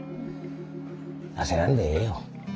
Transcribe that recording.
焦らんでええよ。